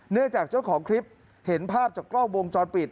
เนื่องจากเจ้าของคลิปเห็นภาพจากกล้องวงจอดปิด